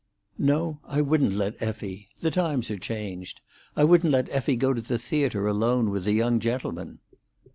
"No, I wouldn't let Effie. The times are changed. I wouldn't let Effie go to the theatre alone with a young gentleman."